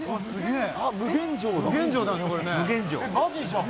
えっマジじゃん！